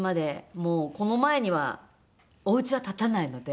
もうこの前にはおうちは建たないので。